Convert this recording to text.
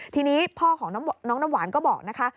ทีนี้พ่อของน้องน้ำหวานก็บอกนะคะ